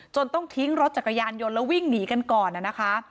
ต้องทิ้งรถจักรยานยนต์แล้ววิ่งหนีกันก่อนนะคะ